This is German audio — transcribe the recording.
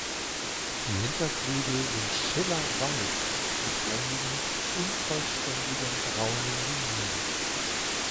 Die Hinterflügel sind schillernd weiß mit einigen, unvollständigen braunen Linien.